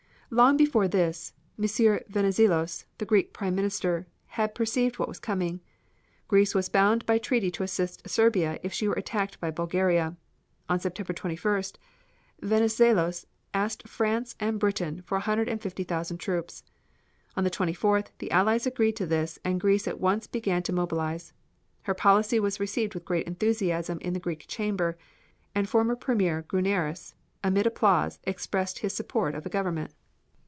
Long before this M. Venizelos, the Greek Premier, had perceived what was coming. Greece was bound by treaty to assist Serbia if she were attacked by Bulgaria. On September 21st, Venizelos asked France and Britain for a hundred and fifty thousand troops. On the 24th, the Allies agreed to this and Greece at once began to mobilize. His policy was received with great enthusiasm in the Greek Chamber, and former Premier Gounaris, amid applause, expressed his support of the government.